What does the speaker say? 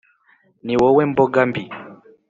Ni wowe mboga mbi